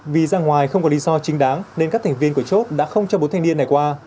vì ra ngoài không có lý do chính đáng nên các thành viên của chốt đã không cho bốn thanh niên này qua